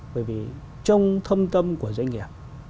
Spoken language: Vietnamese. bởi vì trong thâm tâm của danh nghĩa